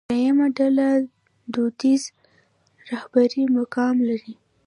درېیمه ډله د دودیزې رهبرۍ مقام لري.